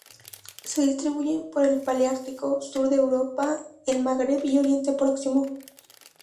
Se distribuyen por el Paleártico: sur de Europa, el Magreb y Oriente Próximo.